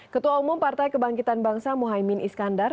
ketua umum partai kebangkitan bangsa muhaymin iskandar